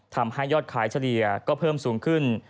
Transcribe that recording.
ทำให้ยอดขายเฉลี่ยก็เพิ่มสูงขึ้น